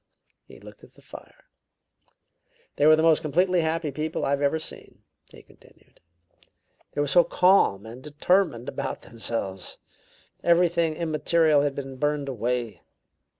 He looked at the fire. "They were the most completely happy people I have ever seen," he continued. "They were so calm and determined about themselves. Everything immaterial had been burned away.